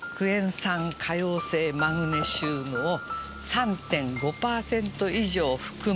酸可溶性マグネシウムを３．５パーセント以上含む